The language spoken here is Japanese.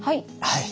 はい。